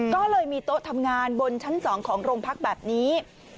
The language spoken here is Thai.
ก็เลยมีโต๊ะทำงานบนชั้น๒ของโรงพักแบบนี้